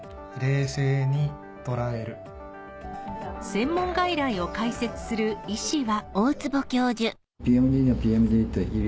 専門外来を開設する医師は。